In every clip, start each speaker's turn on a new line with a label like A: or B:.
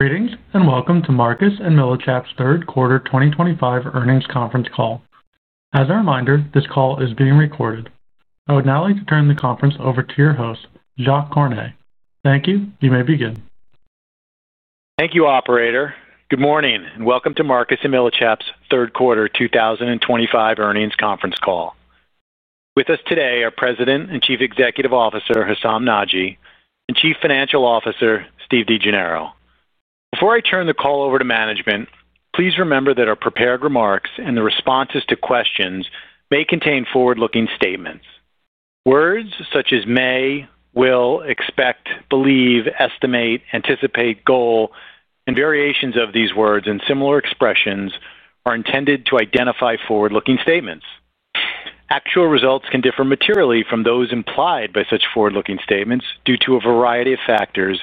A: Greetings and welcome to Marcus & Millichap's Third Quarter 2025 Earnings Conference Call. As a reminder, this call is being recorded. I would now like to turn the conference over to your host, Jacques Cornet. Thank you. You may begin.
B: Thank you, Operator. Good morning and welcome to Marcus & Millichap's Third Quarter 2025 Earnings Conference Call. With us today are President and Chief Executive Officer Hessam Nadji and Chief Financial Officer Steve DeGennaro. Before I turn the call over to management, please remember that our prepared remarks and the responses to questions may contain forward-looking statements. Words such as may, will, expect, believe, estimate, anticipate, goal, and variations of these words in similar expressions are intended to identify forward-looking statements. Actual results can differ materially from those implied by such forward-looking statements due to a variety of factors,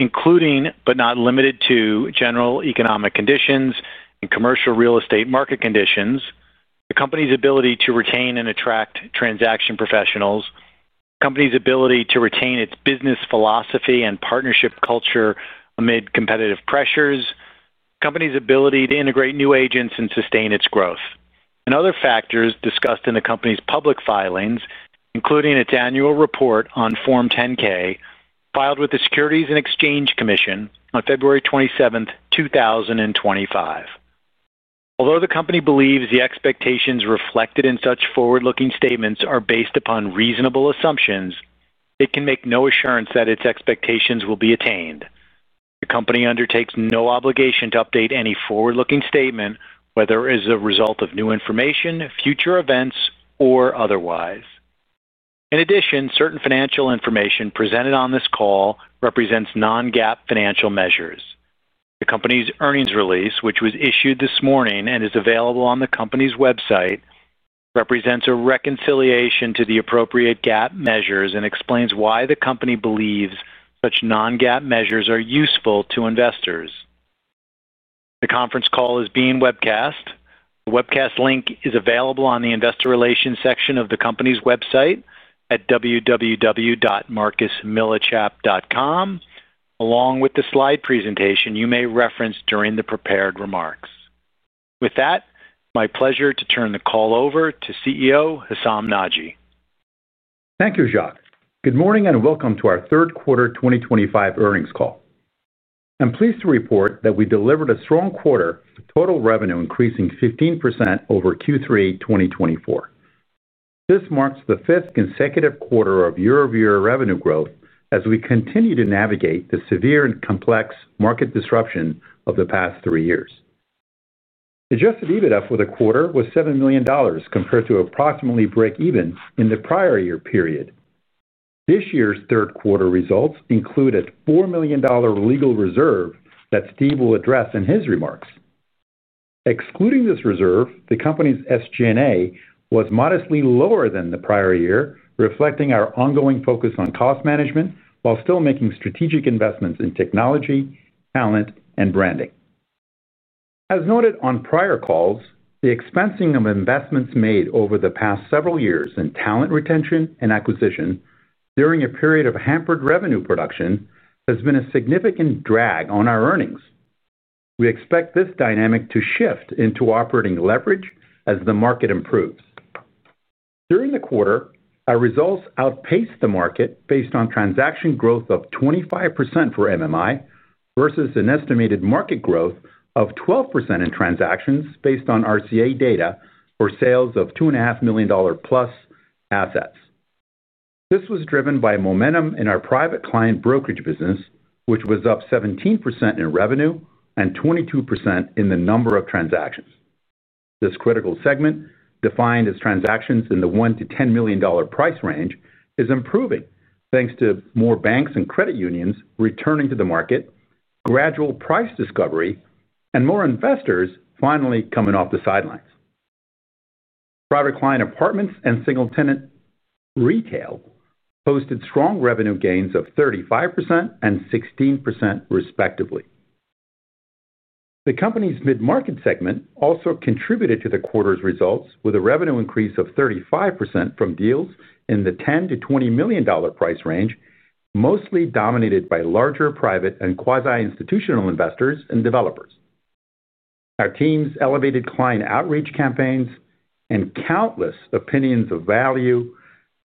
B: including but not limited to general economic conditions and commercial real estate market conditions, the company's ability to retain and attract transaction professionals, the company's ability to retain its business philosophy and partnership culture amid competitive pressures, the company's ability to integrate new agents and sustain its growth, and other factors discussed in the company's public filings, including its annual report on Form 10-K filed with the Securities and Exchange Commission on February 27, 2025. Although the company believes the expectations reflected in such forward-looking statements are based upon reasonable assumptions, it can make no assurance that its expectations will be attained. The company undertakes no obligation to update any forward-looking statement, whether as a result of new information, future events, or otherwise. In addition, certain financial information presented on this call represents non-GAAP financial measures. The company's earnings release, which was issued this morning and is available on the company's website, represents a reconciliation to the appropriate GAAP measures and explains why the company believes such non-GAAP measures are useful to investors. The conference call is being webcast. The webcast link is available on the investor relations section of the company's website at www.marcusandmillichap.com, along with the slide presentation you may reference during the prepared remarks. With that, it's my pleasure to turn the call over to CEO Hessam Nadji.
C: Thank you, Jacques. Good morning and welcome to our Third Quarter 2025 Earnings Call. I'm pleased to report that we delivered a strong quarter, total revenue increasing 15% over Q3 2024. This marks the fifth consecutive quarter of year-over-year revenue growth as we continue to navigate the severe and complex market disruption of the past three years. Adjusted EBITDA for the quarter was $7 million compared to approximately break-even in the prior year period. This year's third quarter results include a $4 million legal reserve that Steve will address in his remarks. Excluding this reserve, the company's SG&A was modestly lower than the prior year, reflecting our ongoing focus on cost management while still making strategic investments in technology, talent, and branding. As noted on prior calls, the expensing of investments made over the past several years in talent retention and acquisition during a period of hampered revenue production has been a significant drag on our earnings. We expect this dynamic to shift into operating leverage as the market improves. During the quarter, our results outpaced the market based on transaction growth of 25% for MMI versus an estimated market growth of 12% in transactions based on RCA data for sales of $2.5 million plus assets. This was driven by momentum in our private client brokerage business, which was up 17% in revenue and 22% in the number of transactions. This critical segment, defined as transactions in the $1-10 million price range, is improving thanks to more banks and credit unions returning to the market, gradual price discovery, and more investors finally coming off the sidelines. Private client apartments and single-tenant retail posted strong revenue gains of 35% and 16%, respectively. The company's mid-market segment also contributed to the quarter's results with a revenue increase of 35% from deals in the $10-20 million price range, mostly dominated by larger private and quasi-institutional investors and developers. Our team's elevated client outreach campaigns and countless opinions of value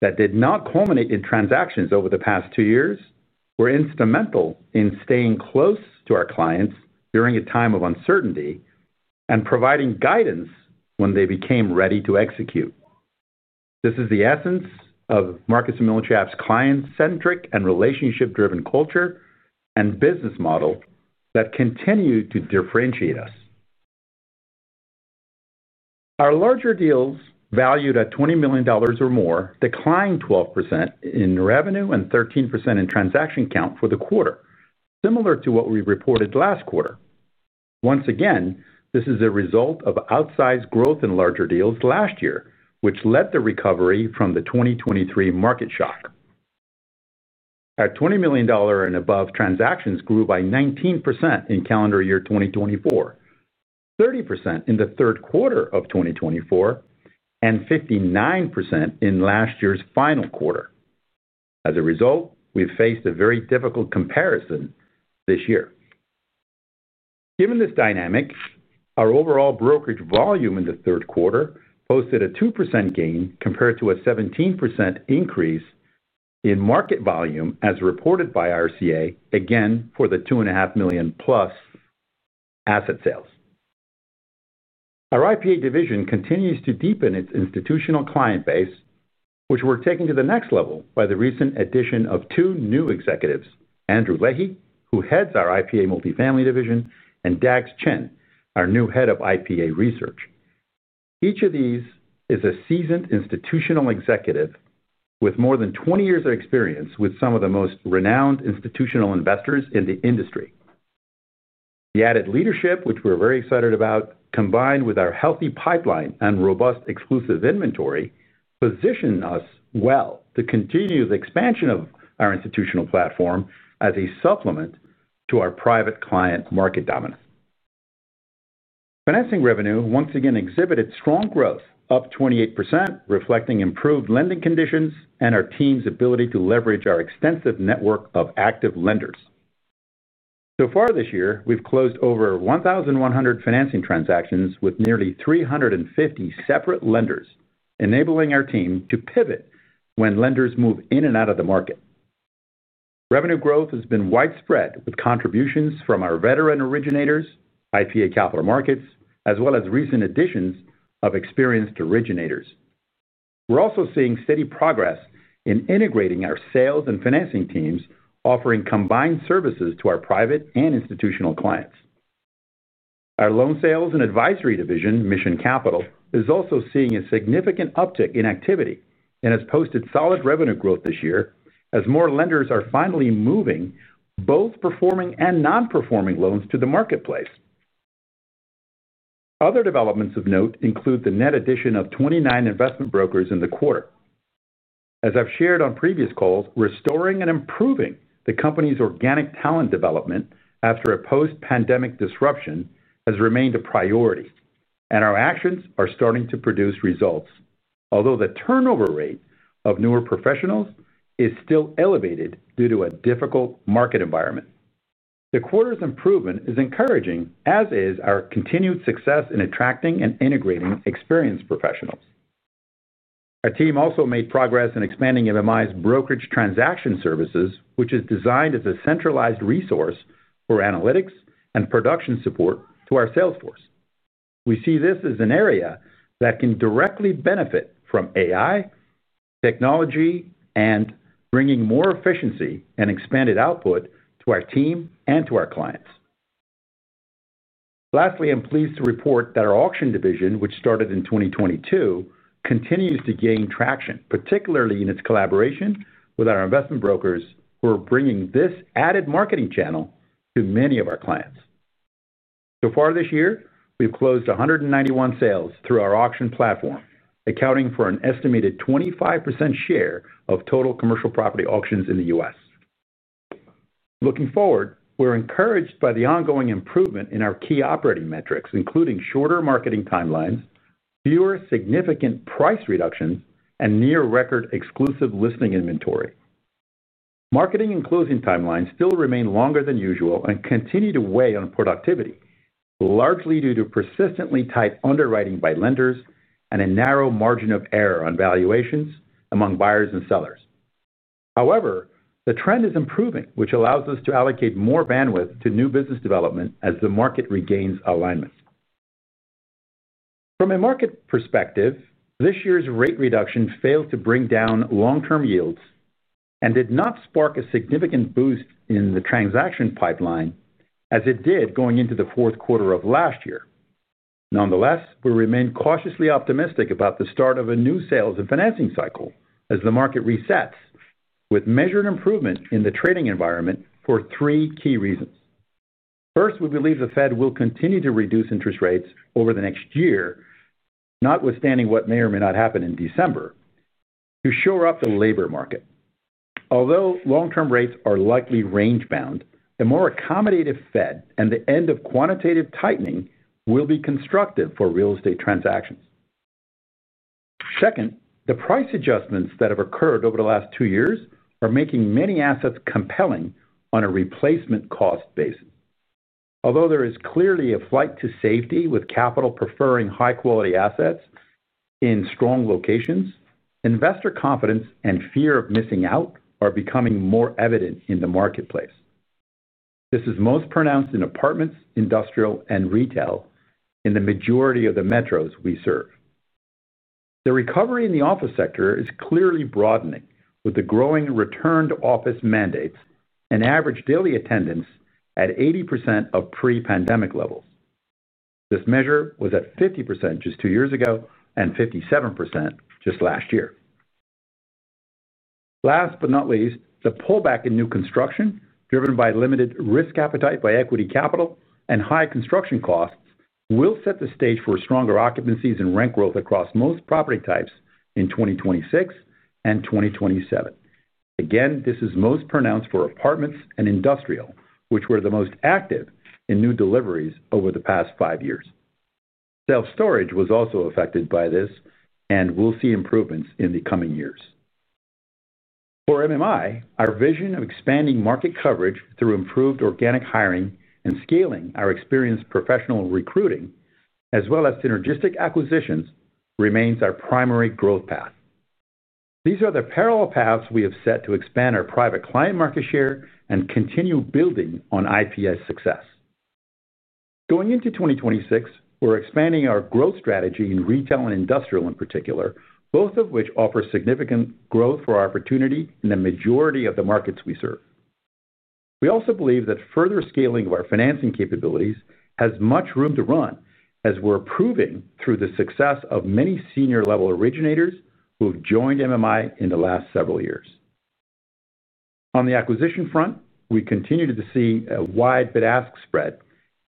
C: that did not culminate in transactions over the past two years were instrumental in staying close to our clients during a time of uncertainty and providing guidance when they became ready to execute. This is the essence of Marcus & Millichap's client-centric and relationship-driven culture and business model that continue to differentiate us. Our larger deals, valued at $20 million or more, declined 12% in revenue and 13% in transaction count for the quarter, similar to what we reported last quarter. Once again, this is a result of outsized growth in larger deals last year, which led to recovery from the 2023 market shock. Our $20 million and above transactions grew by 19% in calendar year 2024, 30% in the third quarter of 2024, and 59% in last year's final quarter. As a result, we've faced a very difficult comparison this year. Given this dynamic, our overall brokerage volume in the third quarter posted a 2% gain compared to a 17% increase in market volume, as reported by RCA, again for the $2.5 million plus asset sales. Our IPA division continues to deepen its institutional client base, which we're taking to the next level by the recent addition of two new executives: Andrew Leahy, who heads our IPA Multifamily Division, and Dax Chen, our new head of IPA Research. Each of these is a seasoned institutional executive with more than 20 years of experience with some of the most renowned institutional investors in the industry. The added leadership, which we're very excited about, combined with our healthy pipeline and robust exclusive inventory, positions us well to continue the expansion of our institutional platform as a supplement to our private client market dominance. Financing revenue once again exhibited strong growth, up 28%, reflecting improved lending conditions and our team's ability to leverage our extensive network of active lenders. So far this year, we've closed over 1,100 financing transactions with nearly 350 separate lenders, enabling our team to pivot when lenders move in and out of the market. Revenue growth has been widespread, with contributions from our veteran originators, IPA Capital Markets, as well as recent additions of experienced originators. We're also seeing steady progress in integrating our sales and financing teams, offering combined services to our private and institutional clients. Our loan sales and advisory division, Mission Capital, is also seeing a significant uptick in activity and has posted solid revenue growth this year as more lenders are finally moving both performing and non-performing loans to the marketplace. Other developments of note include the net addition of 29 investment brokers in the quarter. As I've shared on previous calls, restoring and improving the company's organic talent development after a post-pandemic disruption has remained a priority, and our actions are starting to produce results, although the turnover rate of newer professionals is still elevated due to a difficult market environment. The quarter's improvement is encouraging, as is our continued success in attracting and integrating experienced professionals. Our team also made progress in expanding MMI's brokerage transaction services, which is designed as a centralized resource for analytics and production support to our salesforce. We see this as an area that can directly benefit from AI technology and bringing more efficiency and expanded output to our team and to our clients. Lastly, I'm pleased to report that our auction division, which started in 2022, continues to gain traction, particularly in its collaboration with our investment brokers, who are bringing this added marketing channel to many of our clients. So far this year, we've closed 191 sales through our auction platform, accounting for an estimated 25% share of total commercial property auctions in the U.S. Looking forward, we're encouraged by the ongoing improvement in our key operating metrics, including shorter marketing timelines, fewer significant price reductions, and near-record exclusive listing inventory. Marketing and closing timelines still remain longer than usual and continue to weigh on productivity, largely due to persistently tight underwriting by lenders and a narrow margin of error on valuations among buyers and sellers. However, the trend is improving, which allows us to allocate more bandwidth to new business development as the market regains alignment. From a market perspective, this year's rate reduction failed to bring down long-term yields and did not spark a significant boost in the transaction pipeline as it did going into the fourth quarter of last year. Nonetheless, we remain cautiously optimistic about the start of a new sales and financing cycle as the market resets, with measured improvement in the trading environment for three key reasons. First, we believe the Fed will continue to reduce interest rates over the next year, notwithstanding what may or may not happen in December, to shore up the labor market. Although long-term rates are likely range-bound, a more accommodative Fed and the end of quantitative tightening will be constructive for real estate transactions. Second, the price adjustments that have occurred over the last two years are making many assets compelling on a replacement cost basis. Although there is clearly a flight to safety with capital preferring high-quality assets in strong locations, investor confidence and fear of missing out are becoming more evident in the marketplace. This is most pronounced in apartments, industrial, and retail in the majority of the metros we serve. The recovery in the office sector is clearly broadening with the growing return to office mandates and average daily attendance at 80% of pre-pandemic levels. This measure was at 50% just two years ago and 57% just last year. Last but not least, the pullback in new construction, driven by limited risk appetite by equity capital and high construction costs, will set the stage for stronger occupancies and rent growth across most property types in 2026 and 2027. Again, this is most pronounced for apartments and industrial, which were the most active in new deliveries over the past five years. Self-storage was also affected by this, and we'll see improvements in the coming years. For MMI, our vision of expanding market coverage through improved organic hiring and scaling our experienced professional recruiting, as well as synergistic acquisitions, remains our primary growth path. These are the parallel paths we have set to expand our private client market share and continue building on IPA's success. Going into 2026, we're expanding our growth strategy in retail and industrial in particular, both of which offer significant growth for our opportunity in the majority of the markets we serve. We also believe that further scaling of our financing capabilities has much room to run, as we're proving through the success of many senior-level originators who have joined MMI in the last several years. On the acquisition front, we continue to see a wide bid-ask spread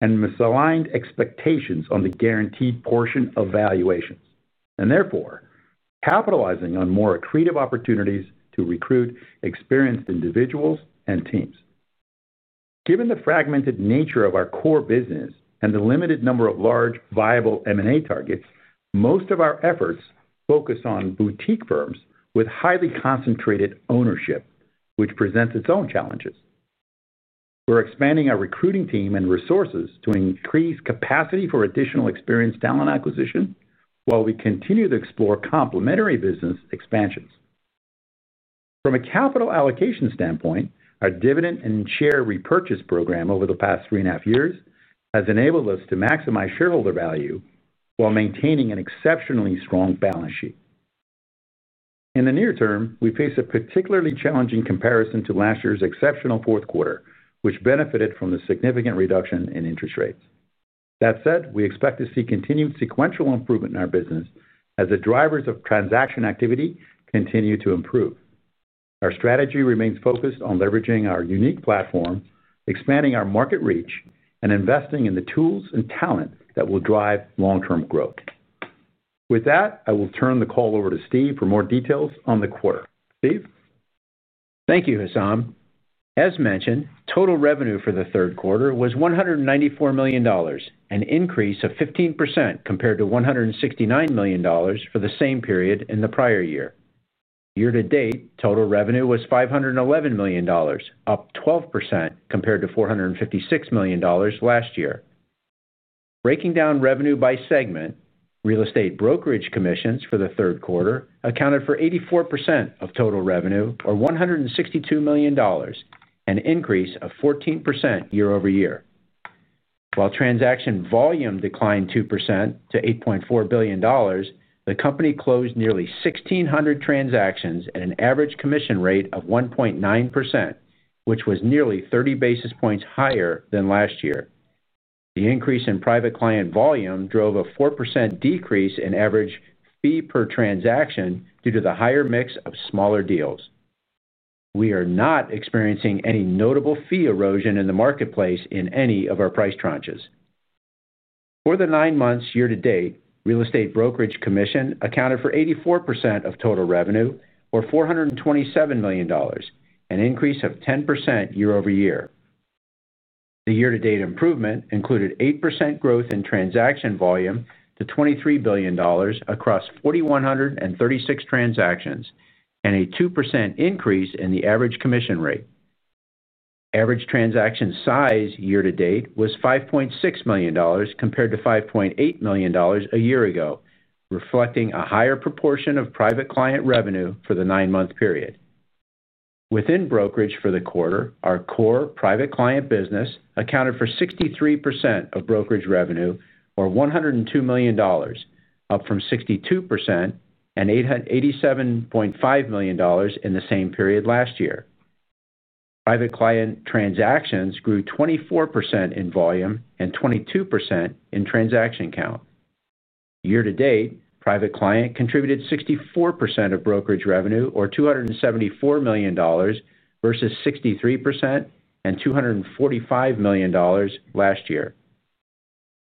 C: and misaligned expectations on the guaranteed portion of valuations, and therefore capitalizing on more accretive opportunities to recruit experienced individuals and teams. Given the fragmented nature of our core business and the limited number of large, viable M&A targets, most of our efforts focus on boutique firms with highly concentrated ownership, which presents its own challenges. We're expanding our recruiting team and resources to increase capacity for additional experienced talent acquisition while we continue to explore complementary business expansions. From a capital allocation standpoint, our dividend and share repurchase program over the past three and a half years has enabled us to maximize shareholder value while maintaining an exceptionally strong balance sheet. In the near term, we face a particularly challenging comparison to last year's exceptional fourth quarter, which benefited from the significant reduction in interest rates. That said, we expect to see continued sequential improvement in our business as the drivers of transaction activity continue to improve. Our strategy remains focused on leveraging our unique platform, expanding our market reach, and investing in the tools and talent that will drive long-term growth. With that, I will turn the call over to Steve for more details on the quarter. Steve?
D: Thank you, Hessam. As mentioned, total revenue for the third quarter was $194 million, an increase of 15% compared to $169 million for the same period in the prior year. Year-to-date, total revenue was $511 million, up 12% compared to $456 million last year. Breaking down revenue by segment, real estate brokerage commissions for the third quarter accounted for 84% of total revenue, or $162 million, an increase of 14% year-over-year. While transaction volume declined 2% to $8.4 billion, the company closed nearly 1,600 transactions at an average commission rate of 1.9%, which was nearly 30 basis points higher than last year. The increase in private client volume drove a 4% decrease in average fee per transaction due to the higher mix of smaller deals. We are not experiencing any notable fee erosion in the marketplace in any of our price tranches. For the nine months year-to-date, real estate brokerage commission accounted for 84% of total revenue, or $427 million, an increase of 10% year-over-year. The year-to-date improvement included 8% growth in transaction volume to $23 billion across 4,136 transactions and a 2% increase in the average commission rate. Average transaction size year-to-date was $5.6 million compared to $5.8 million a year ago, reflecting a higher proportion of private client revenue for the nine-month period. Within brokerage for the quarter, our core private client business accounted for 63% of brokerage revenue, or $102 million, up from 62% and $87.5 million in the same period last year. Private client transactions grew 24% in volume and 22% in transaction count. Year-to-date, private client contributed 64% of brokerage revenue, or $274 million, versus 63% and $245 million last year.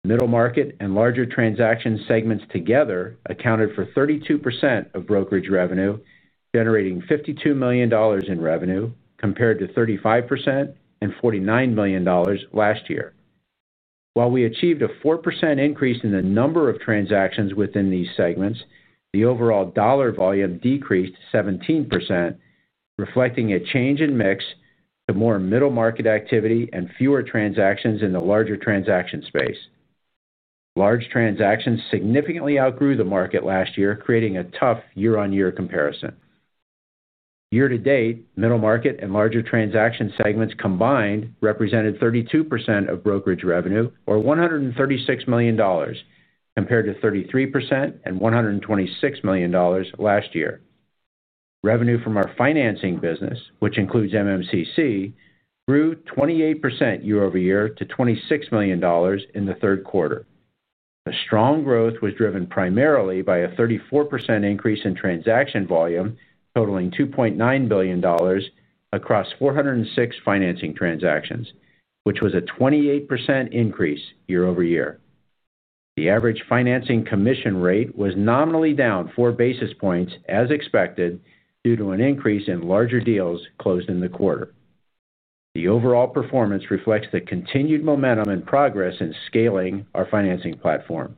D: Middle market and larger transaction segments together accounted for 32% of brokerage revenue, generating $52 million in revenue compared to 35% and $49 million last year. While we achieved a 4% increase in the number of transactions within these segments, the overall dollar volume decreased 17%, reflecting a change in mix to more middle market activity and fewer transactions in the larger transaction space. Large transactions significantly outgrew the market last year, creating a tough year-on-year comparison. Year-to-date, middle market and larger transaction segments combined represented 32% of brokerage revenue, or $136 million, compared to 33% and $126 million last year. Revenue from our financing business, which includes MMCC, grew 28% year-over-year to $26 million in the third quarter. The strong growth was driven primarily by a 34% increase in transaction volume totaling $2.9 billion across 406 financing transactions, which was a 28% increase year-over-year. The average financing commission rate was nominally down four basis points, as expected, due to an increase in larger deals closed in the quarter. The overall performance reflects the continued momentum and progress in scaling our financing platform.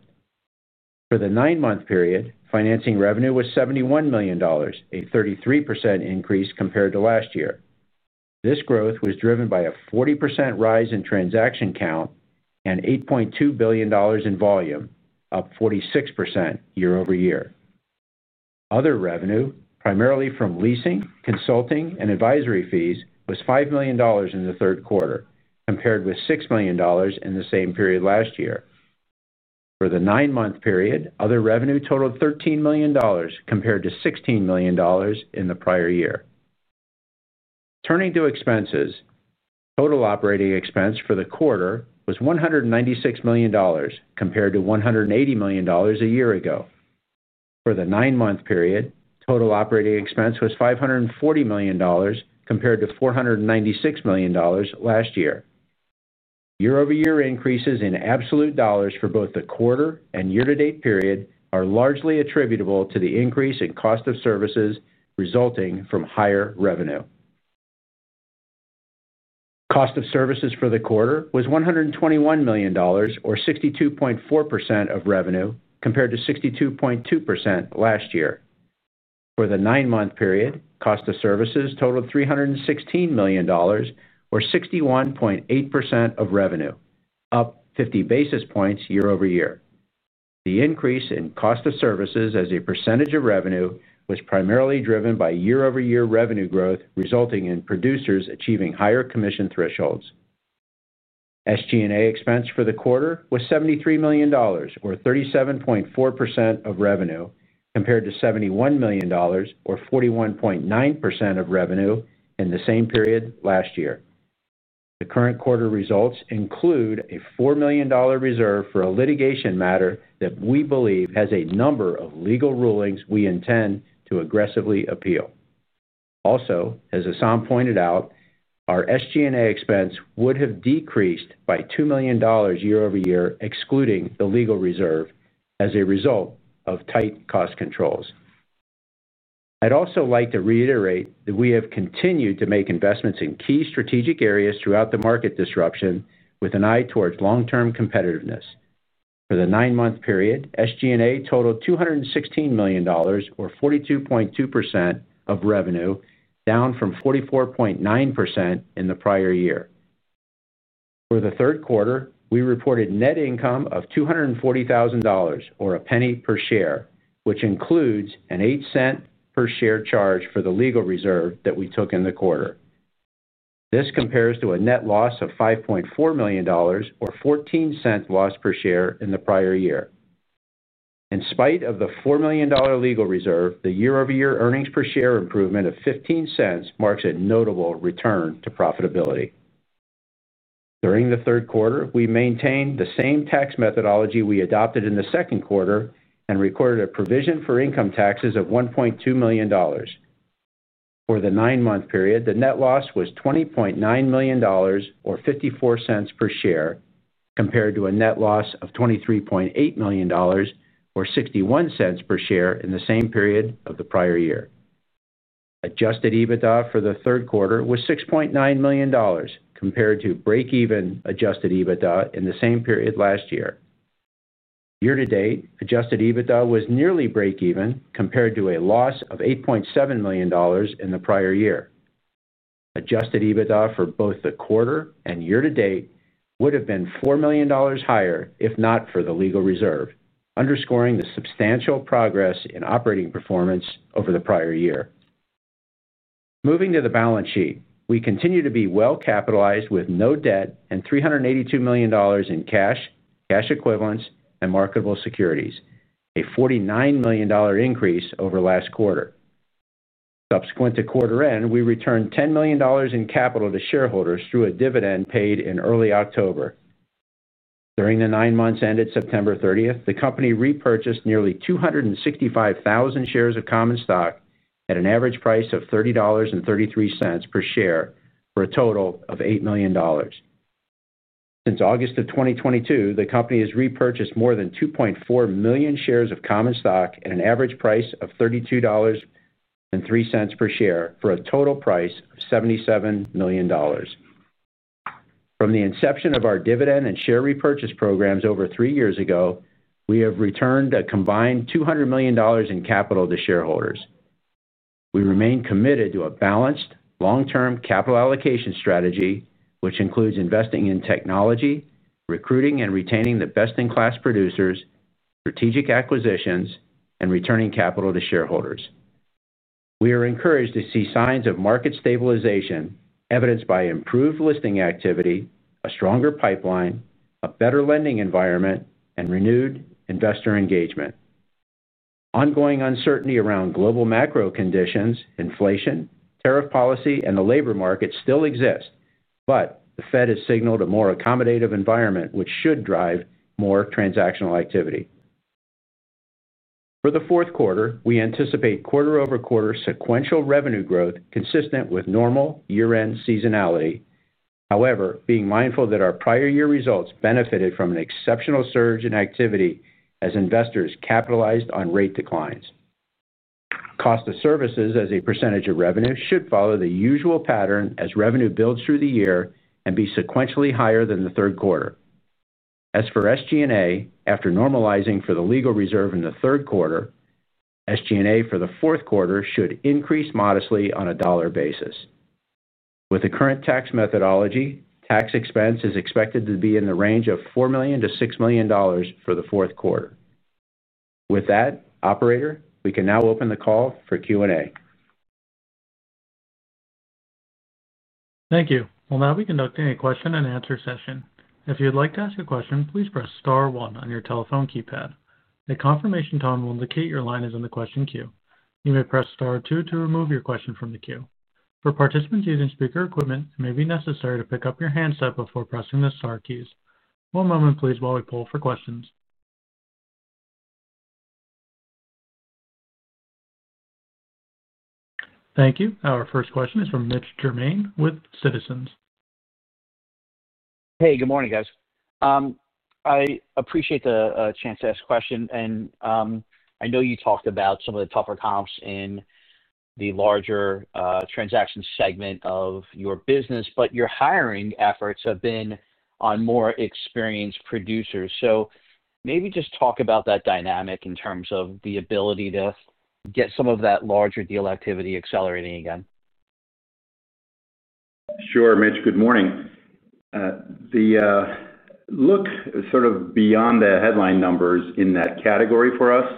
D: For the nine-month period, financing revenue was $71 million, a 33% increase compared to last year. This growth was driven by a 40% rise in transaction count and $8.2 billion in volume, up 46% year-over-year. Other revenue, primarily from leasing, consulting, and advisory fees, was $5 million in the third quarter, compared with $6 million in the same period last year. For the nine-month period, other revenue totaled $13 million compared to $16 million in the prior year. Turning to expenses, total operating expense for the quarter was $196 million compared to $180 million a year ago. For the nine-month period, total operating expense was $540 million compared to $496 million last year. Year-over-year increases in absolute dollars for both the quarter and year-to-date period are largely attributable to the increase in cost of services resulting from higher revenue. Cost of services for the quarter was $121 million, or 62.4% of revenue, compared to 62.2% last year. For the nine-month period, cost of services totaled $316 million, or 61.8% of revenue, up 50 basis points year-over-year. The increase in cost of services as a percentage of revenue was primarily driven by year-over-year revenue growth, resulting in producers achieving higher commission thresholds. SG&A expense for the quarter was $73 million, or 37.4% of revenue, compared to $71 million, or 41.9% of revenue in the same period last year. The current quarter results include a $4 million reserve for a litigation matter that we believe has a number of legal rulings we intend to aggressively appeal. Also, as Hessam pointed out, our SG&A expense would have decreased by $2 million year-over-year, excluding the legal reserve, as a result of tight cost controls. I'd also like to reiterate that we have continued to make investments in key strategic areas throughout the market disruption, with an eye towards long-term competitiveness. For the nine-month period, SG&A totaled $216 million, or 42.2% of revenue, down from 44.9% in the prior year. For the third quarter, we reported net income of $240,000, or a penny per share, which includes an 8 cent per share charge for the legal reserve that we took in the quarter. This compares to a net loss of $5.4 million, or 14 cents lost per share in the prior year. In spite of the $4 million legal reserve, the year-over-year earnings per share improvement of $0.15 marks a notable return to profitability. During the third quarter, we maintained the same tax methodology we adopted in the second quarter and recorded a provision for income taxes of $1.2 million. For the nine-month period, the net loss was $20.9 million, or $0.54 per share, compared to a net loss of $23.8 million, or $0.61 per share in the same period of the prior year. Adjusted EBITDA for the third quarter was $6.9 million, compared to break-even adjusted EBITDA in the same period last year. Year-to-date, adjusted EBITDA was nearly break-even, compared to a loss of $8.7 million in the prior year. Adjusted EBITDA for both the quarter and year-to-date would have been $4 million higher if not for the legal reserve, underscoring the substantial progress in operating performance over the prior year. Moving to the balance sheet, we continue to be well-capitalized with no debt and $382 million in cash, cash equivalents, and marketable securities, a $49 million increase over last quarter. Subsequent to quarter end, we returned $10 million in capital to shareholders through a dividend paid in early October. During the nine months ended September 30th, the company repurchased nearly 265,000 shares of common stock at an average price of $30.33 per share for a total of $8 million. Since August of 2022, the company has repurchased more than 2.4 million shares of common stock at an average price of $32.03 per share for a total price of $77 million. From the inception of our dividend and share repurchase programs over three years ago, we have returned a combined $200 million in capital to shareholders. We remain committed to a balanced, long-term capital allocation strategy, which includes investing in technology, recruiting and retaining the best-in-class producers, strategic acquisitions, and returning capital to shareholders. We are encouraged to see signs of market stabilization evidenced by improved listing activity, a stronger pipeline, a better lending environment, and renewed investor engagement. Ongoing uncertainty around global macro conditions, inflation, tariff policy, and the labor market still exists, but the Fed has signaled a more accommodative environment, which should drive more transactional activity. For the fourth quarter, we anticipate quarter-over-quarter sequential revenue growth consistent with normal year-end seasonality, however, being mindful that our prior year results benefited from an exceptional surge in activity as investors capitalized on rate declines. Cost of services as a percentage of revenue should follow the usual pattern as revenue builds through the year and be sequentially higher than the third quarter. As for SG&A, after normalizing for the legal reserve in the third quarter, SG&A for the fourth quarter should increase modestly on a dollar basis. With the current tax methodology, tax expense is expected to be in the range of $4 million-$6 million for the fourth quarter. With that, Operator, we can now open the call for Q&A.
A: Thank you. We'll now begin the Q&A session. If you'd like to ask a question, please press star one on your telephone keypad. A confirmation tone will indicate your line is in the question queue. You may press star two to remove your question from the queue. For participants using speaker equipment, it may be necessary to pick up your handset before pressing the star keys. One moment, please, while we pull for questions. Thank you. Our first question is from Mitch Germain with Citizens.
E: Hey, good morning, guys. I appreciate the chance to ask a question. I know you talked about some of the tougher comps in the larger transaction segment of your business, but your hiring efforts have been on more experienced producers. Maybe just talk about that dynamic in terms of the ability to get some of that larger deal activity accelerating again.
C: Sure, Mitch. Good morning. The look sort of beyond the headline numbers in that category for us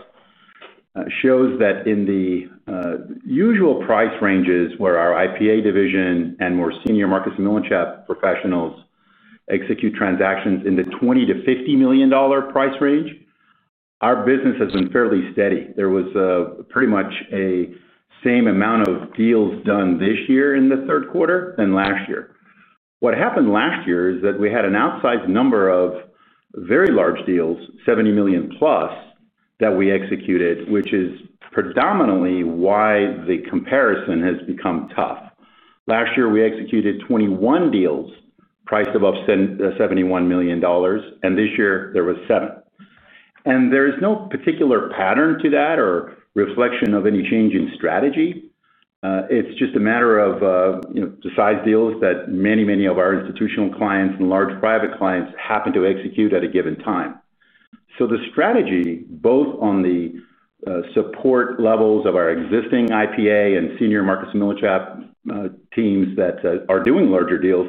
C: shows that in the usual price ranges where our IPA division and more senior Marcus & Millichap professionals execute transactions in the $20 million-$50 million price range, our business has been fairly steady. There was pretty much a same amount of deals done this year in the third quarter than last year. What happened last year is that we had an outsized number of very large deals, $70 million plus, that we executed, which is predominantly why the comparison has become tough. Last year, we executed 21 deals priced above $71 million, and this year there were seven. There is no particular pattern to that or reflection of any change in strategy. It's just a matter of the size deals that many, many of our institutional clients and large private clients happen to execute at a given time. The strategy, both on the support levels of our existing IPA and senior Marcus & Millichap teams that are doing larger deals,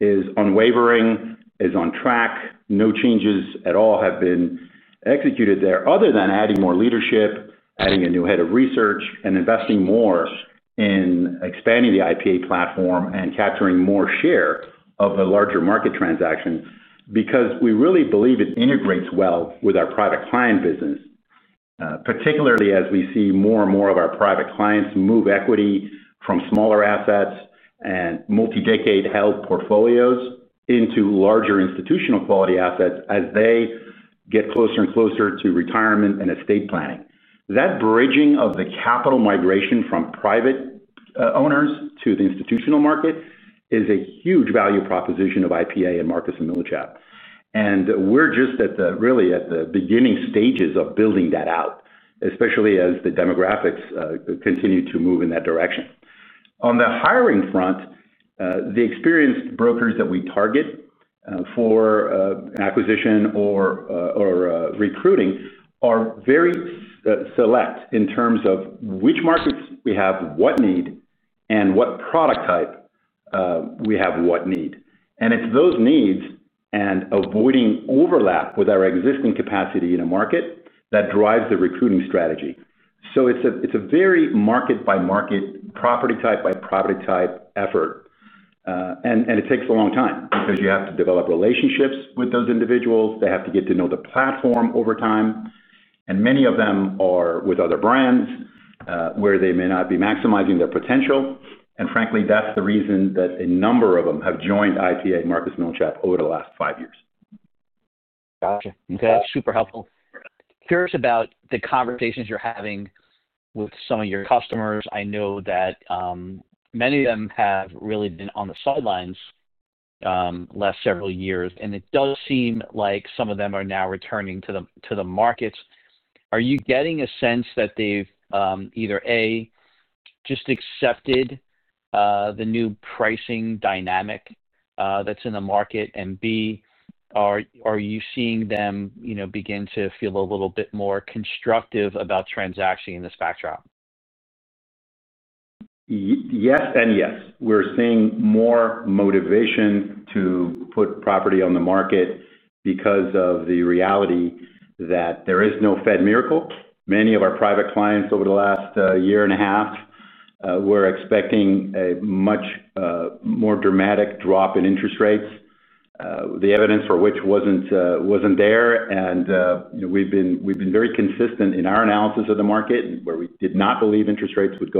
C: is unwavering, is on track. No changes at all have been executed there other than adding more leadership, adding a new head of research, and investing more in expanding the IPA platform and capturing more share of the larger market transaction because we really believe it integrates well with our private client business, particularly as we see more and more of our private clients move equity from smaller assets and multi-decade held portfolios into larger institutional quality assets as they get closer and closer to retirement and estate planning. That bridging of the capital migration from private owners to the institutional market is a huge value proposition of IPA and Marcus & Millichap. We are just really at the beginning stages of building that out, especially as the demographics continue to move in that direction. On the hiring front, the experienced brokers that we target for acquisition or recruiting are very select in terms of which markets we have what need, and what product type we have what need. It is those needs and avoiding overlap with our existing capacity in a market that drives the recruiting strategy. It is a very market-by-market, property-type-by-property-type effort. It takes a long time because you have to develop relationships with those individuals. They have to get to know the platform over time. Many of them are with other brands where they may not be maximizing their potential. Frankly, that's the reason that a number of them have joined IPA and Marcus & Millichap over the last five years. Gotcha. Okay. That's super helpful. Curious about the conversations you're having with some of your customers. I know that many of them have really been on the sidelines the last several years. It does seem like some of them are now returning to the markets. Are you getting a sense that they've either, A, just accepted the new pricing dynamic that's in the market, and B, are you seeing them begin to feel a little bit more constructive about transaction in this backdrop? Yes and yes. We're seeing more motivation to put property on the market because of the reality that there is no Fed miracle. Many of our private clients over the last year and a half were expecting a much more dramatic drop in interest rates, the evidence for which was not there. We have been very consistent in our analysis of the market where we did not believe interest rates would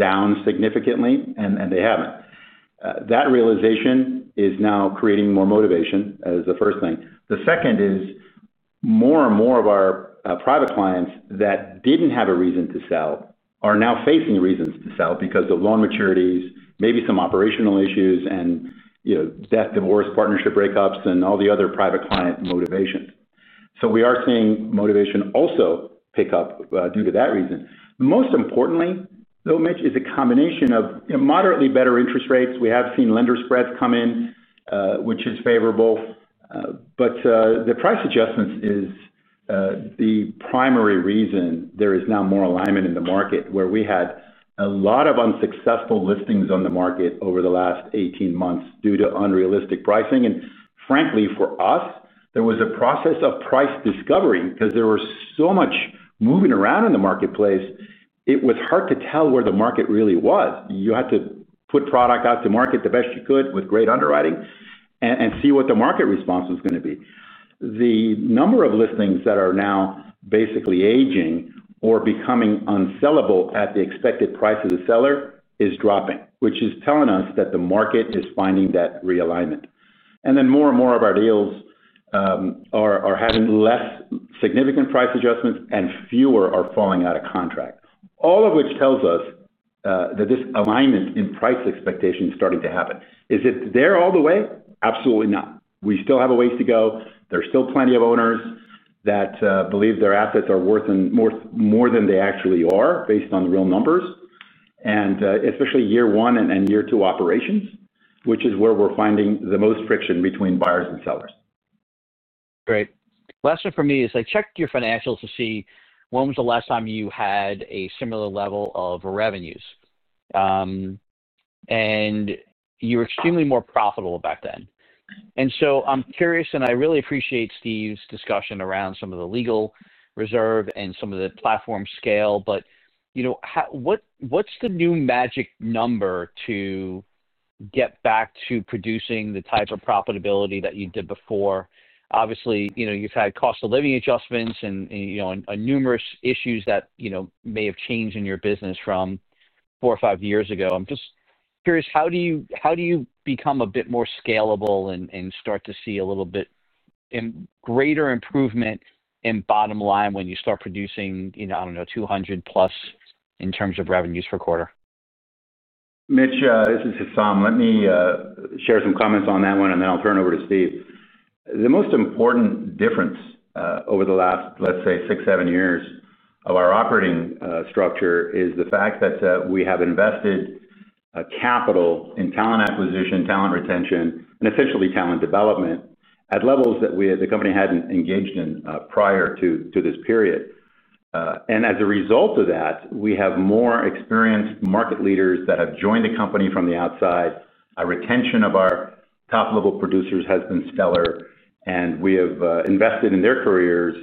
C: go back down significantly, and they have not. That realization is now creating more motivation as the first thing. The second is more and more of our private clients that did not have a reason to sell are now facing reasons to sell because of loan maturities, maybe some operational issues, and death, divorce, partnership breakups, and all the other private client motivations. We are seeing motivation also pick up due to that reason. Most importantly, though, Mitch, is a combination of moderately better interest rates. We have seen lender spreads come in, which is favorable. Price adjustments is the primary reason there is now more alignment in the market where we had a lot of unsuccessful listings on the market over the last 18 months due to unrealistic pricing. Frankly, for us, there was a process of price discovery because there was so much moving around in the marketplace. It was hard to tell where the market really was. You had to put product out to market the best you could with great underwriting and see what the market response was going to be. The number of listings that are now basically aging or becoming unsellable at the expected price of the seller is dropping, which is telling us that the market is finding that realignment. More and more of our deals are having less significant price adjustments, and fewer are falling out of contract. All of which tells us that this alignment in price expectation is starting to happen. Is it there all the way? Absolutely not. We still have a ways to go. There's still plenty of owners that believe their assets are worth more than they actually are based on real numbers, and especially year one and year two operations, which is where we're finding the most friction between buyers and sellers.
E: Great. Last one for me is I checked your financials to see when was the last time you had a similar level of revenues. And you were extremely more profitable back then. I'm curious, and I really appreciate Steve's discussion around some of the legal reserve and some of the platform scale. What's the new magic number to get back to producing the type of profitability that you did before? Obviously, you've had cost of living adjustments and numerous issues that may have changed in your business from four or five years ago. I'm just curious, how do you become a bit more scalable and start to see a little bit greater improvement in bottom line when you start producing, I don't know, 200 plus in terms of revenues per quarter?
C: Mitch, this is Hessam. Let me share some comments on that one, and then I'll turn it over to Steve. The most important difference over the last, let's say, six, seven years of our operating structure is the fact that we have invested capital in talent acquisition, talent retention, and essentially talent development at levels that the company hadn't engaged in prior to this period. As a result of that, we have more experienced market leaders that have joined the company from the outside. Retention of our top-level producers has been stellar, and we have invested in their careers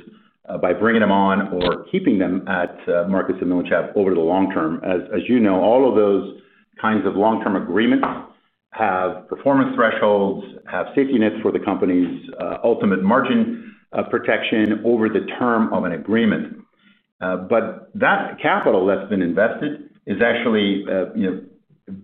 C: by bringing them on or keeping them at Marcus & Millichap over the long term. As you know, all of those kinds of long-term agreements have performance thresholds, have safety nets for the company's ultimate margin of protection over the term of an agreement. That capital that's been invested is actually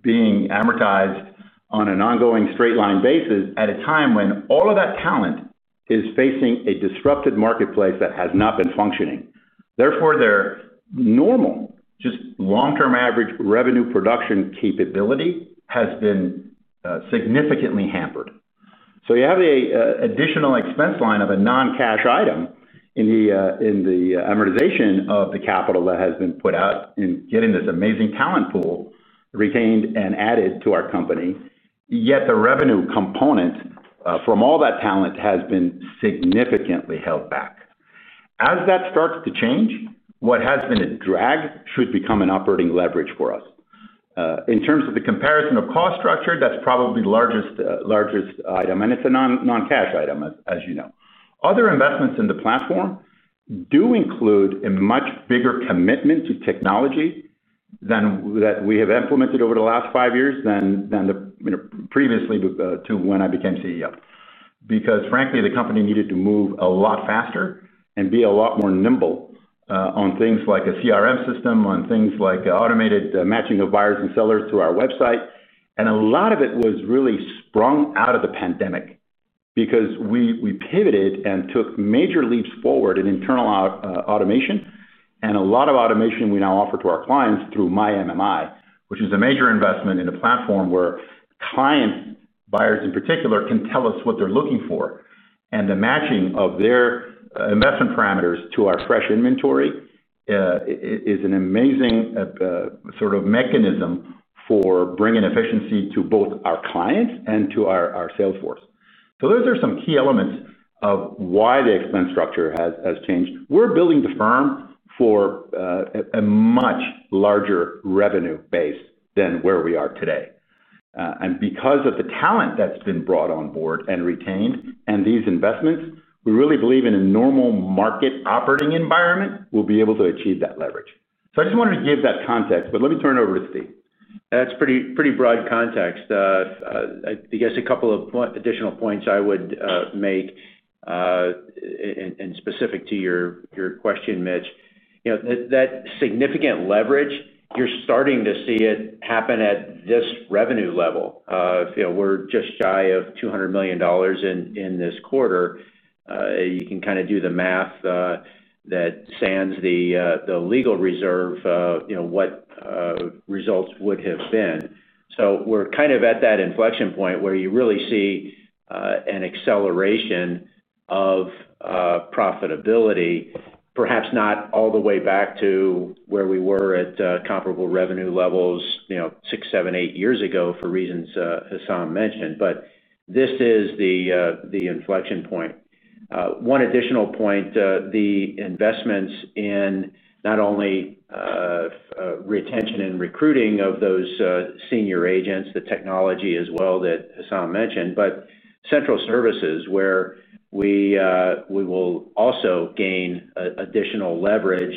C: being amortized on an ongoing straight-line basis at a time when all of that talent is facing a disrupted marketplace that has not been functioning. Therefore, their normal, just long-term average revenue production capability has been significantly hampered. You have an additional expense line of a non-cash item in the amortization of the capital that has been put out in getting this amazing talent pool retained and added to our company. Yet the revenue component from all that talent has been significantly held back. As that starts to change, what has been a drag should become an operating leverage for us. In terms of the comparison of cost structure, that's probably the largest item, and it's a non-cash item, as you know. Other investments in the platform do include a much bigger commitment to technology than we have implemented over the last five years than previously to when I became CEO because, frankly, the company needed to move a lot faster and be a lot more nimble on things like a CRM system, on things like automated matching of buyers and sellers to our website. A lot of it was really sprung out of the pandemic because we pivoted and took major leaps forward in internal automation. A lot of automation we now offer to our clients through MyMMI, which is a major investment in a platform where client buyers in particular can tell us what they're looking for. The matching of their investment parameters to our fresh inventory is an amazing sort of mechanism for bringing efficiency to both our clients and to our salesforce. Those are some key elements of why the expense structure has changed. We're building the firm for a much larger revenue base than where we are today. Because of the talent that's been brought on board and retained and these investments, we really believe in a normal market operating environment, we'll be able to achieve that leverage. I just wanted to give that context, but let me turn it over to Steve.
D: That's pretty broad context. I guess a couple of additional points I would make and specific to your question, Mitch, that significant leverage, you're starting to see it happen at this revenue level. We're just shy of $200 million in this quarter. You can kind of do the math that sands the legal reserve what results would have been. We are kind of at that inflection point where you really see an acceleration of profitability, perhaps not all the way back to where we were at comparable revenue levels six, seven, eight years ago for reasons Hessam mentioned. This is the inflection point. One additional point, the investments in not only retention and recruiting of those senior agents, the technology as well that Hessam mentioned, but central services where we will also gain additional leverage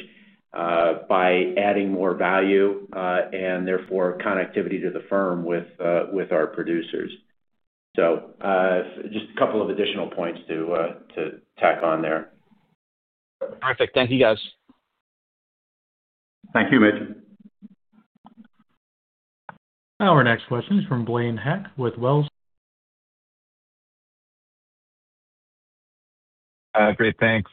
D: by adding more value and therefore connectivity to the firm with our producers. Just a couple of additional points to tack on there.
E: Perfect. Thank you, guys.
D: Thank you, Mitch.
A: Our next question is from Blaine Heck with Wells.
F: Great. Thanks.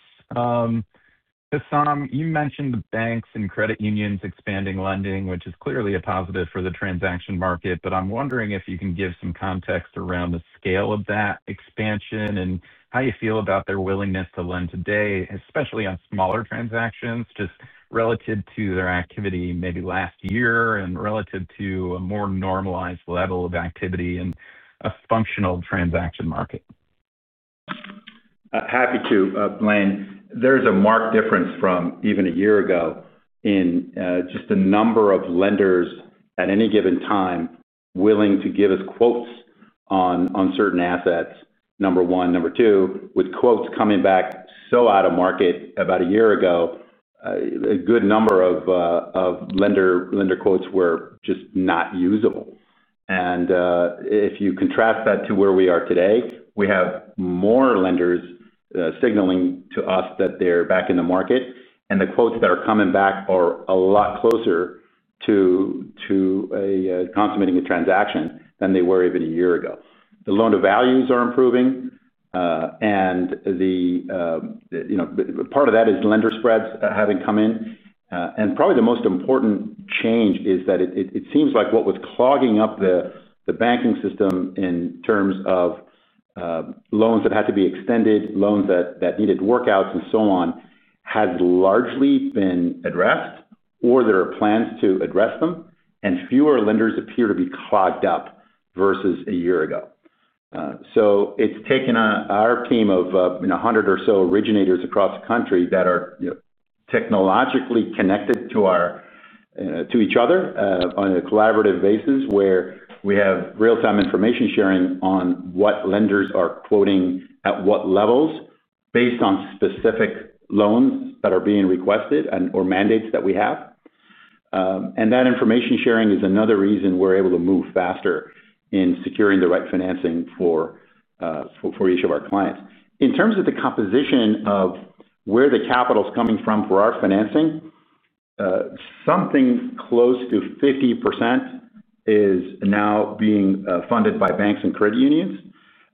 F: Hessam, you mentioned the banks and credit unions expanding lending, which is clearly a positive for the transaction market. I am wondering if you can give some context around the scale of that expansion and how you feel about their willingness to lend today, especially on smaller transactions, just relative to their activity maybe last year and relative to a more normalized level of activity in a functional transaction market.
C: Happy to, Blaine. There is a marked difference from even a year ago in just the number of lenders at any given time willing to give us quotes on certain assets, number one. Number two, with quotes coming back so out of market about a year ago, a good number of lender quotes were just not usable. If you contrast that to where we are today, we have more lenders signaling to us that they're back in the market. The quotes that are coming back are a lot closer to consummating a transaction than they were even a year ago. The loan-to-values are improving. Part of that is lender spreads having come in. Probably the most important change is that it seems like what was clogging up the banking system in terms of loans that had to be extended, loans that needed workouts, and so on has largely been addressed or there are plans to address them. Fewer lenders appear to be clogged up versus a year ago. It's taken our team of 100 or so originators across the country that are technologically connected to each other on a collaborative basis where we have real-time information sharing on what lenders are quoting at what levels based on specific loans that are being requested or mandates that we have. That information sharing is another reason we're able to move faster in securing the right financing for each of our clients. In terms of the composition of where the capital is coming from for our financing, something close to 50% is now being funded by banks and credit unions.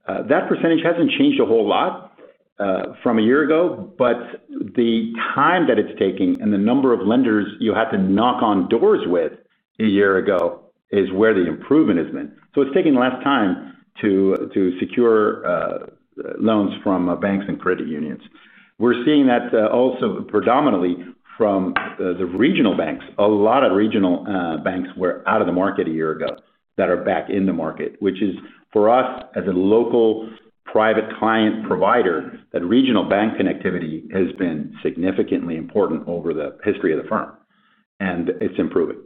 C: That percentage hasn't changed a whole lot from a year ago, but the time that it's taking and the number of lenders you had to knock on doors with a year ago is where the improvement has been. It's taken less time to secure loans from banks and credit unions. We're seeing that also predominantly from the regional banks. A lot of regional banks were out of the market a year ago that are back in the market, which is for us as a local private client provider, that regional bank connectivity has been significantly important over the history of the firm. It's improving.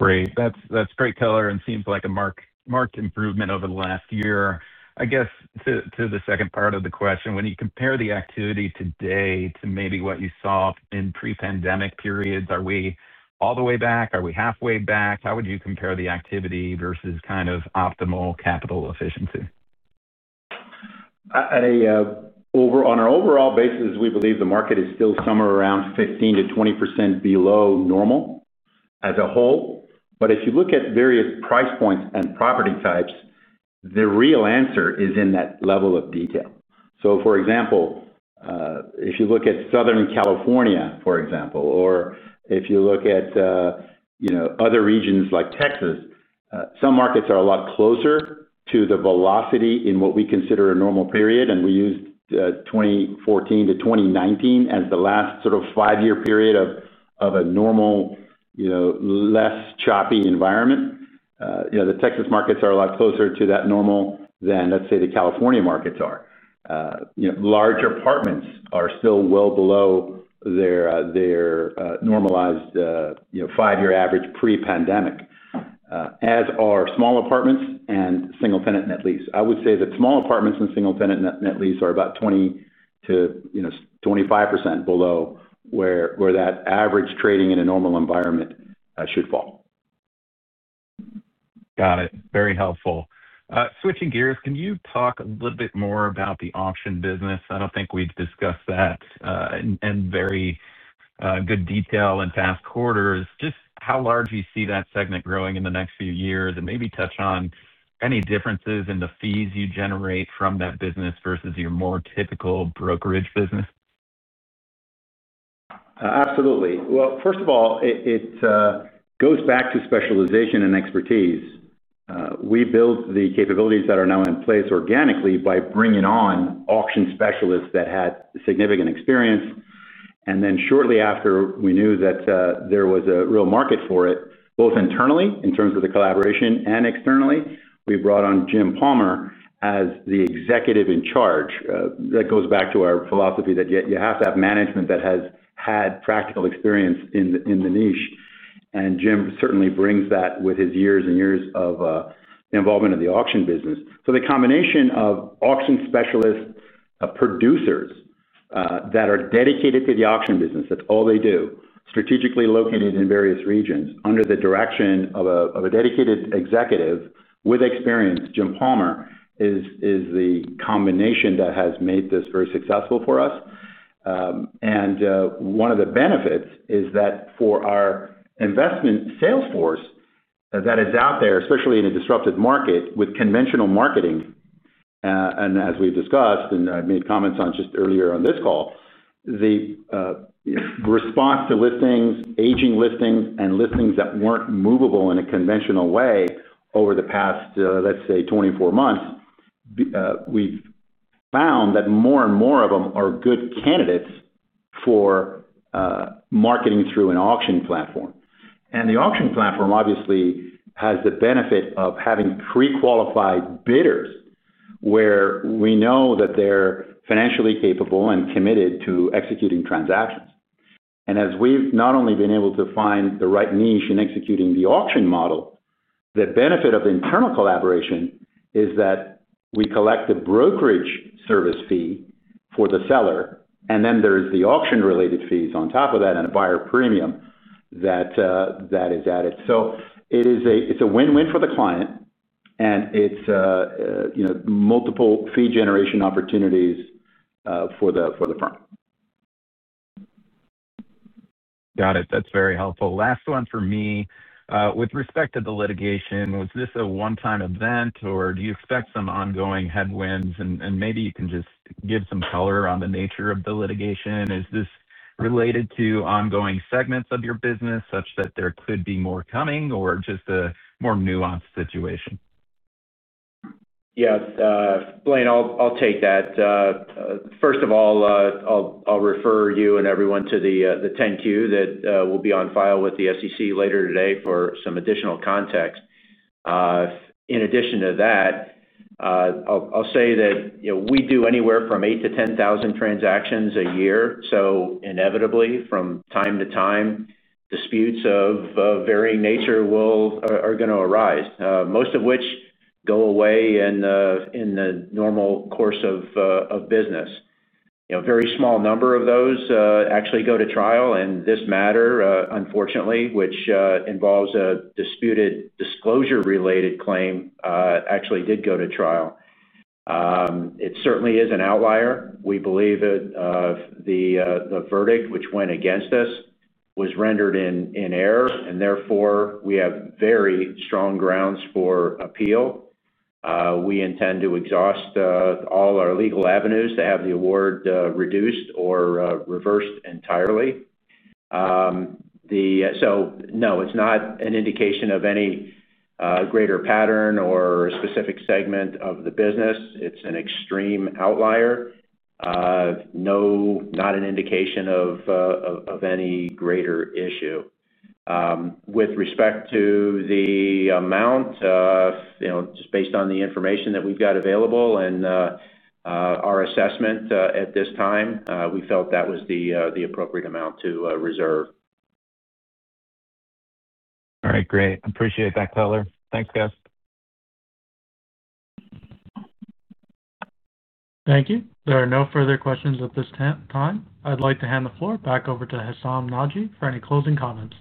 F: Great. That's great color and seems like a marked improvement over the last year. I guess to the second part of the question, when you compare the activity today to maybe what you saw in pre-pandemic periods, are we all the way back? Are we halfway back? How would you compare the activity versus kind of optimal capital efficiency?
C: On our overall basis, we believe the market is still somewhere around 15%-20% below normal as a whole. If you look at various price points and property types, the real answer is in that level of detail. For example, if you look at Southern California, or if you look at other regions like Texas, some markets are a lot closer to the velocity in what we consider a normal period. We used 2014 to 2019 as the last sort of five-year period of a normal, less choppy environment. The Texas markets are a lot closer to that normal than, let's say, the California markets are. Larger apartments are still well below their normalized five-year average pre-pandemic, as are small apartments and single-tenant net lease. I would say that small apartments and single-tenant net lease are about 20%-25% below where that average trading in a normal environment should fall.
F: Got it. Very helpful. Switching gears, can you talk a little bit more about the auction business? I do not think we have discussed that in very good detail in past quarters. Just how large you see that segment growing in the next few years and maybe touch on any differences in the fees you generate from that business versus your more typical brokerage business?
C: Absolutely. First of all, it goes back to specialization and expertise. We built the capabilities that are now in place organically by bringing on auction specialists that had significant experience. Shortly after we knew that there was a real market for it, both internally in terms of the collaboration and externally, we brought on Jim Palmer as the executive in charge. That goes back to our philosophy that you have to have management that has had practical experience in the niche. Jim certainly brings that with his years and years of involvement in the auction business. The combination of auction specialists, producers that are dedicated to the auction business, that's all they do, strategically located in various regions under the direction of a dedicated executive with experience, Jim Palmer is the combination that has made this very successful for us. One of the benefits is that for our investment salesforce that is out there, especially in a disrupted market with conventional marketing, and as we've discussed and I made comments on just earlier on this call, the response to listings, aging listings, and listings that were not movable in a conventional way over the past, let's say, 24 months, we've found that more and more of them are good candidates for marketing through an auction platform. The auction platform obviously has the benefit of having pre-qualified bidders where we know that they're financially capable and committed to executing transactions. As we've not only been able to find the right niche in executing the auction model, the benefit of the internal collaboration is that we collect a brokerage service fee for the seller, and then there are the auction-related fees on top of that and a buyer premium that is added. It is a win-win for the client, and it is multiple fee generation opportunities for the firm.
F: Got it. That is very helpful. Last one for me. With respect to the litigation, was this a one-time event, or do you expect some ongoing headwinds? Maybe you can just give some color on the nature of the litigation. Is this related to ongoing segments of your business such that there could be more coming or just a more nuanced situation?
D: Yes. Blaine, I'll take that. First of all, I'll refer you and everyone to the 10-Q that will be on file with the SEC later today for some additional context. In addition to that, I'll say that we do anywhere from 8,000 to 10,000 transactions a year. So inevitably, from time to time, disputes of varying nature are going to arise, most of which go away in the normal course of business. A very small number of those actually go to trial. This matter, unfortunately, which involves a disputed disclosure-related claim, actually did go to trial. It certainly is an outlier. We believe the verdict which went against us was rendered in error. Therefore, we have very strong grounds for appeal. We intend to exhaust all our legal avenues to have the award reduced or reversed entirely. No, it is not an indication of any greater pattern or specific segment of the business. It is an extreme outlier, not an indication of any greater issue. With respect to the amount, just based on the information that we have got available and our assessment at this time, we felt that was the appropriate amount to reserve.
A: All right. Great. Appreciate that, Color. Thanks, guys. Thank you. There are no further questions at this time. I would like to hand the floor back over to Hessam Nadji for any closing comments.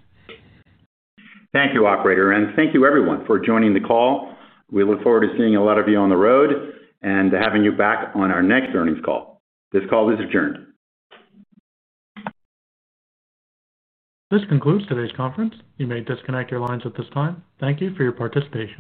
C: Thank you, Operator. Thank you, everyone, for joining the call. We look forward to seeing a lot of you on the road and having you back on our next earnings call. This call is adjourned. This concludes today's conference.
A: You may disconnect your lines at this time. Thank you for your participation.